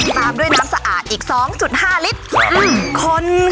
ตามด้วยน้ำสะอาดอีก๒๕ลิตร